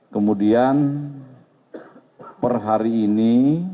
kemudian per hari ini